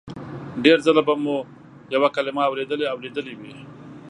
ډېر ځله به مو یوه کلمه اورېدلې او لیدلې وي